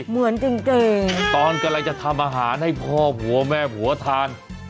เหมือนจริงตอนกำลังจะทำอาหารให้พ่อผัวแม่ผัวทาน